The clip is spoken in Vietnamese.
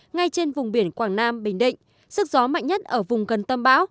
ngay trên vùng biển quảng nam bình định sức gió mạnh nhất ở vùng gần tâm bão